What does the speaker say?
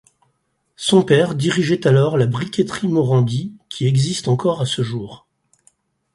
Son père dirigeait alors la briqueterie Morandi, qui existe encore à ce jour.